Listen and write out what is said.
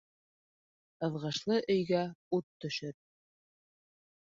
Ыҙғышлы өйгә ут төшөр.